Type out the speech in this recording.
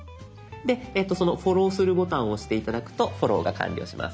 その「フォローする」ボタンを押して頂くとフォローが完了します。